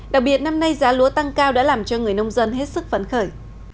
đặc biệt năm nay giá lúa tăng cao đã làm cho người nông dân hết sức phấn khởi